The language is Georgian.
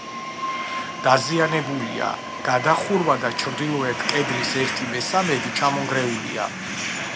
დაზიანებულია: გადახურვა და ჩრდილოეთ კედლის ერთი მესამედი ჩამონგრეულია.